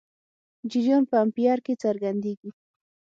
جریان په امپیر کې څرګندېږي.